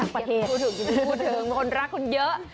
ยังไม่พูดถึงเขารักคนเยอะ